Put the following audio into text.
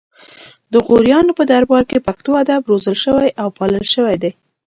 د غوریانو په دربار کې پښتو ادب روزل شوی او پالل شوی دی